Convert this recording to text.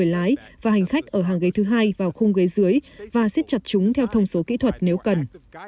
lái và hành khách ở hàng ghế thứ hai vào khung ghế dưới và xiết chặt chúng theo thông số kỹ thuật nếu cần